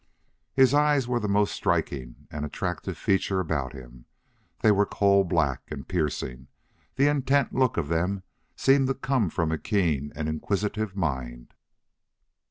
His eyes were the most striking and attractive feature about him; they were coal black and piercing; the intent look out of them seemed to come from a keen and inquisitive mind.